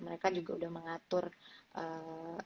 mereka juga udah mengatakan